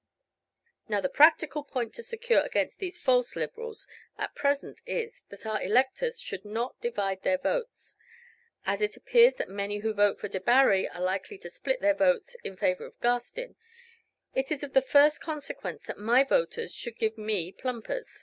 Now the practical point to secure against these false Liberals at present is, that our electors should not divide their votes. As it appears that many who vote for Debarry are likely to split their votes in favor of Garstin, it is of the first consequence that my voters should give me plumpers.